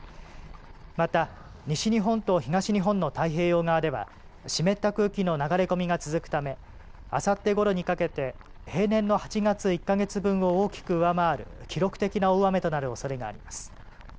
また、西日本と東日本の太平洋側では湿った空気の流れ込みが続くため、あさってごろにかけて平年の８月１か月分を大きく上回る記録的な大雨となるおそれがあります。